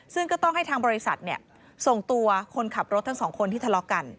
ซึ่งก็ต้องให้ทางบริษัทส่งตัวคนขับรถทั้งสองคนที่ทะเลาะกัน